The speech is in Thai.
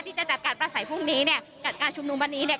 ที่จะจัดการประสัยพรุ่งนี้เนี่ยจัดการชุมนุมวันนี้เนี่ย